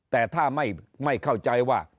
แต่ถ้าไม่เข้าใจว่า